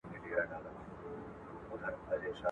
د دوی مال او سر بايد خوندي وي.